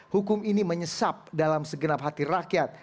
hukum ini menyesap dalam segenap hati rakyat